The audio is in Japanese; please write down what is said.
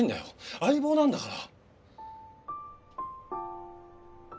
相棒なんだから。